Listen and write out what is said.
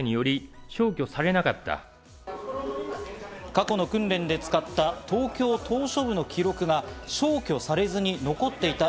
過去の訓練で使った東京島しょ部の記録が消去されずに残っていた。